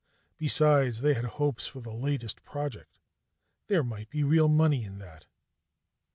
Besides, they had hopes for their latest project: there might be real money in that.